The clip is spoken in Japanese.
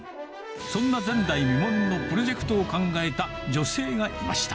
そんな前代未聞のプロジェクトを考えた女性がいました。